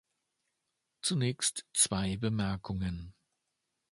Zunächst zwei Bemerkungen.